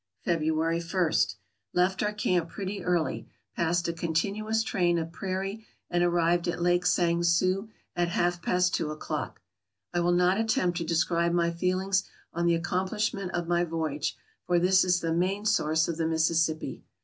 February I. — Left our camp pretty early. Passed a continuous train of prairie, and arrived at Lake Sang Sue at half past two o'clock. I will not attempt to describe my feelings on the accomplishment of my voyage, for this is the main source of the Mississippi.